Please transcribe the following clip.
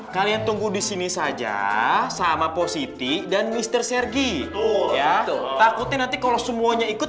kalian tunggu disini saja sama positi dan mister sergi oh ya takutnya nanti kalau semuanya ikut